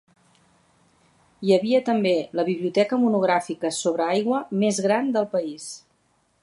Hi havia també la Biblioteca monogràfica sobre aigua més gran del país.